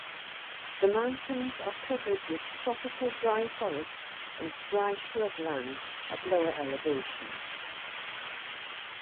The mountains are covered with tropical dry forest and dry shrubland at lower elevations.